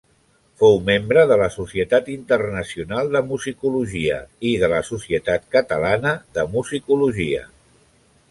Fou membre de la Societat Internacional de Musicologia i de la Societat Catalana de Musicologia.